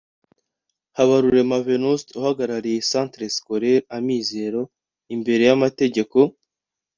Habarurema Venuste uhagarariye Centre Scolaire Amizero imbere y’amategeko